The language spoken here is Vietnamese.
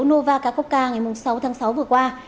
nova kakoka ngày sáu tháng sáu vừa qua